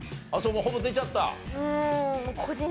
もうほぼ出ちゃった？